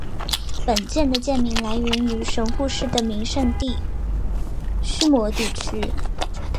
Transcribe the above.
本舰的舰名来源于神户市的名胜地须磨地区。